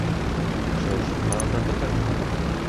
Що ж правда тепер?